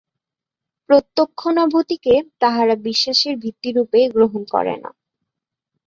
প্রত্যক্ষানুভূতিকে তাঁহারা বিশ্বাসের ভিত্তিরূপে গ্রহণ করেন না।